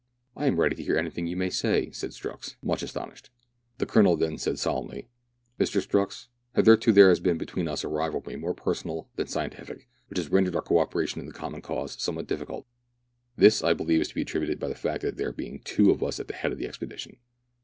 " I am ready to hear any thing you may say," said Strux, much astonished. The Colonel then said solemnly, —" Mr. Strux, hitherto there has been between us a rivalry more personal than scientific, which has rendered our co operation in the common cause somewhat difficult. This, I believe, is to be attributed to the fact of there being two of us at the head of this expedition.